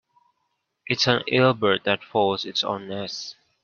It's an ill bird that fouls its own nest.